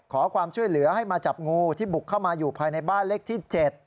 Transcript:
ขอความช่วยเหลือให้มาจับงูที่บุกเข้ามาอยู่ภายในบ้านเลขที่๗